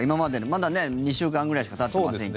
まだ２週間くらいしかたっていませんが。